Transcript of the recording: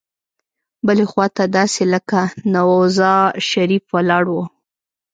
بلې خوا ته داسې لکه نوزا شریف ولاړ وو.